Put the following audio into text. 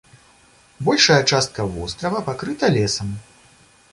Большая частка вострава пакрыта лесам.